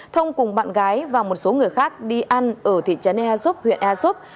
thông cùng bạn gái và một số người khác đi ăn ở thị trấn air soup huyện air soup